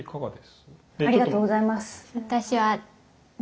ありがとうございます。